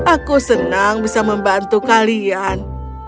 aku senang bisa membantu kalian